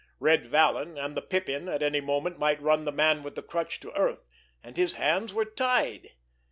Red Vallon and the Pippin at any moment might run the Man with the Crutch to earth, and his hands were tied.